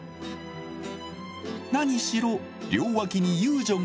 何しろ両脇に遊女が３人も。